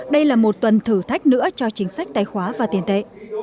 đây là một tuần thử thách nữa cho chính sách tài khoá và tiền tệ